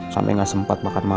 sampai nggak sempat makan makan